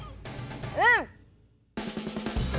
うん！